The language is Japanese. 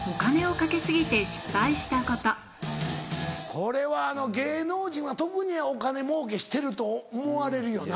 これは芸能人は特にお金もうけしてると思われるよな。